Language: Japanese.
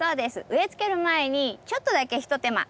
植えつける前にちょっとだけひと手間。